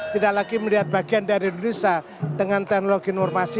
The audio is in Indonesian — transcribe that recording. tidak lagi melihat bagian dari indonesia dengan teknologi informasi